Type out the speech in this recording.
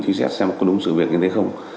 truy xét xem có đúng sự việc như thế không